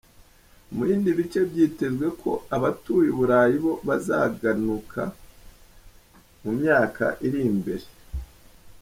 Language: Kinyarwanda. Mu bindi bice, byitezwe ko abatuye u Burayi bo bazaganuka mu myaka iri imbere.